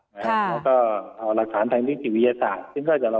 แล้วก็เอารัดสารทางที่จิตวิทยาศาสตร์